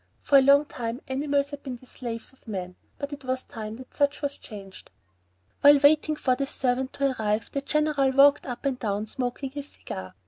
For a long time animals had been the slaves of men, but it was time that such was changed! While waiting for the servant to arrive, the General walked up and down, smoking his cigar.